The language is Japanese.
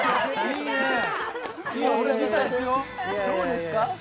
どうですか？